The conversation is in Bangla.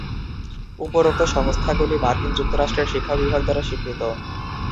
উপরোক্ত সংস্থাগুলি মার্কিন যুক্তরাষ্ট্রের শিক্ষা বিভাগ দ্বারা স্বীকৃত।